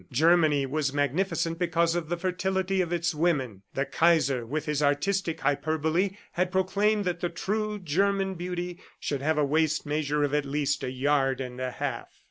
Germany was magnificent because of the fertility of its women. The Kaiser, with his artistic hyperbole, had proclaimed that the true German beauty should have a waist measure of at least a yard and a half.